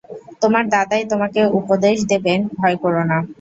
তোমার দাদাই তোমাকে উপদেশ দেবেন–ভয় কোরো না।